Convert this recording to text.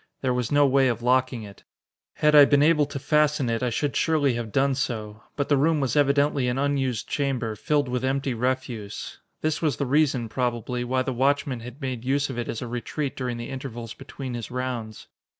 There was no way of locking it. Had I been able to fasten it, I should surely have done so; but the room was evidently an unused chamber, filled with empty refuse. This was the reason, probably, why the watchman had made use of it as a retreat during the intervals between his rounds.